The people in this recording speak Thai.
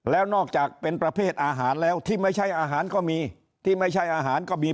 แล้วนอกจากเป็นประเภทอาหารแล้วที่ไม่ใช่อาหารก็มี